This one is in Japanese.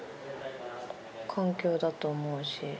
環境だと思うし。